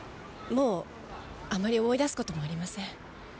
もうあまり思い出す事もありません。